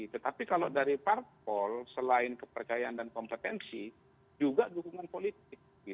tetapi kalau dari parpol selain kepercayaan dan kompetensi juga dukungan politik